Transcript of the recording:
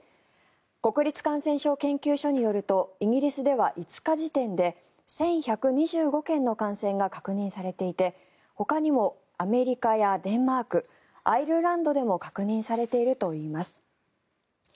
国立感染症研究所によるとイギリスでは５日時点で１１２５件の感染が確認されていてほかにもアメリカやデンマークアイルランドでも確認されているといいます。